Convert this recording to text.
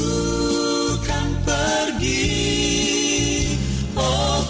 ku kan pergi bersamanya